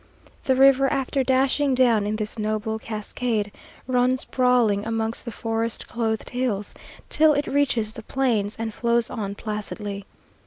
The river, after dashing down in this noble cascade, runs brawling amongst the forest clothed hills, till it reaches the plains, and flows on placidly.